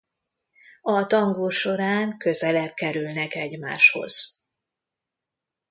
A tangó során közelebb kerülnek egymáshoz.